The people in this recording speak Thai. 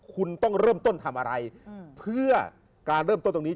คุณต้องเริ่มต้นทำอะไรเพื่อการเริ่มต้นตรงนี้